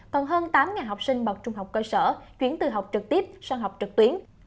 còn hơn tám học sinh bậc trung học cơ sở chuyển từ học trực tiếp sang học trực tuyến